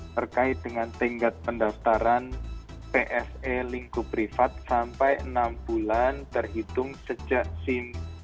terkait dengan tenggat pendaftaran pse lingkup privat sampai enam bulan terhitung sejak simpan